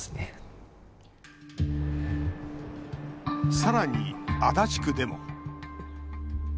さらに、足立区でも。